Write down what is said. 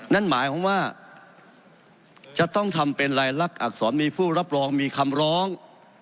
นั่นหมายความว่าจะต้องทำเป็นรายลักษรมีผู้รับรองมีคำร้อง